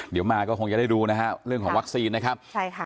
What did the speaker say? เดี๋ยวมาก็คงจะได้ดูเรื่องของวัคซีนนะครับ